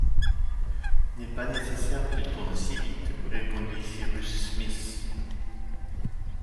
Il n’est pas nécessaire qu’il tourne si vite, répondit Cyrus Smith